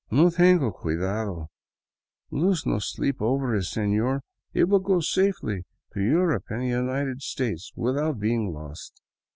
" No tenga cuidado — lose no sleep over it, sefior ; it will go safely to Europe and the United States without being lost."